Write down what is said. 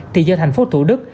thì do thành phố thủ đức